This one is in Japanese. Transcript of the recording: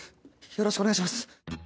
よろしくお願いします